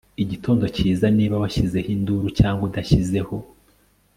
igitondo kiza niba washyizeho induru cyangwa udashyizeho